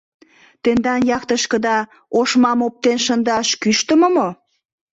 — Тендан яхтышкыда ошмам оптен шындаш кӱштымӧ мо?